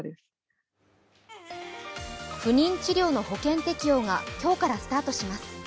不妊治療の保険適用が今日からスタートします。